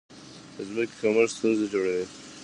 د ځمکې کمښت ستونزې جوړې کړې.